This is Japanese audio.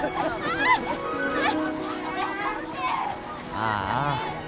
ああ。